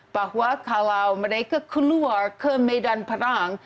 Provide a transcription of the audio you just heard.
bahwa kalau mereka keluar ke medan perang